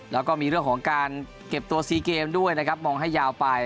แล้วก็มีเรื่องของการเก็บตัวซีเกมด้วยนะครับมองให้ยาวไป